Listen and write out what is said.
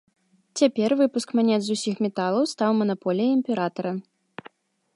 Цяпер выпуск манет з усіх металаў стаў манаполіяй імператара.